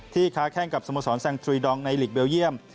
ค้าแข้งกับสโมสรแซงทรีดองในหลีกเบลเยี่ยม